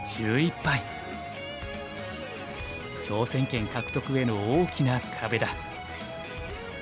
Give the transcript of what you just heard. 挑戦権獲得への大きな壁だ。